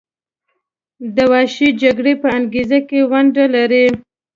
د وحشي جګړو په انګیزه کې ونډه لري.